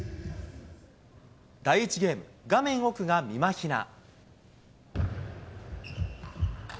第１ゲーム、画面奥がみまひな。